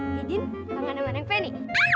dedin kangen sama neng feni